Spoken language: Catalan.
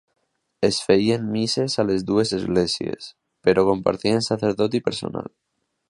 Es feien misses a les dues esglésies, però compartien sacerdot i personal.